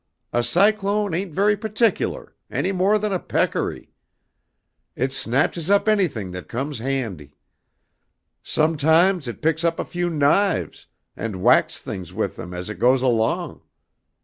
A cyclone ain't very particular, any more than a peccary. It snatches up anything that comes handy. Sometimes it picks up a few knives and whacks things with them as it goes along.